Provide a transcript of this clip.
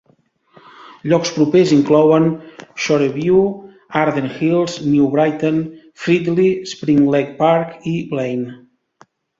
Llocs propers inclouen Shoreview, Arden Hills, New Brighton, Fridley, Spring Lake Park i Blaine.